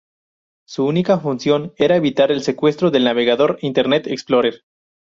Su única función era evitar el secuestro del navegador Internet Explorer.